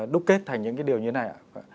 đúc kết thành những cái điều như này